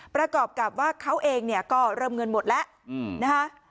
ประกอบกับว่าเขาเองก็เริ่มเงินหมดแล้ว